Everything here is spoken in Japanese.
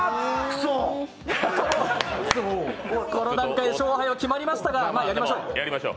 この段階で勝敗は決まりましたが、やりましょう。